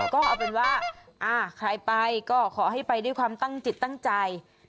ก็เอาเป็นว่าใครไปก็ขอให้ไปด้วยความตั้งจิตตั้งใจ